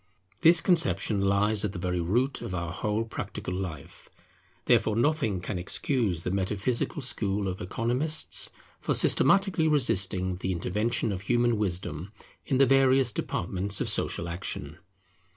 This conception lies at the very root of our whole practical life; therefore nothing can excuse the metaphysical school of Economists for systematically resisting the intervention of human wisdom in the various departments of social action.